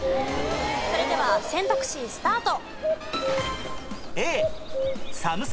それでは選択肢スタート。